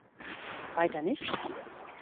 Weiter nichts?